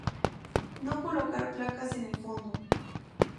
No colocar placas en el fondo.